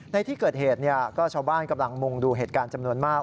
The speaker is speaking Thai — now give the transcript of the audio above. ในที่เกิดเหตุก็ชาวบ้านกำลังมุ่งดูเหตุการณ์จำนวนมาก